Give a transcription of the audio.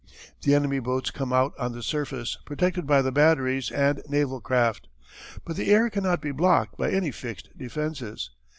The enemy boats come out on the surface protected by the batteries and naval craft. But the air cannot be blocked by any fixed defences.